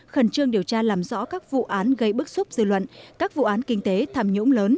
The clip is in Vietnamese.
khẩn trương điều tra làm rõ các vụ án gây bức xúc dư luận các vụ án kinh tế tham nhũng lớn